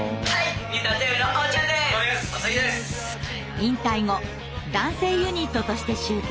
引退後男性ユニットとして集結。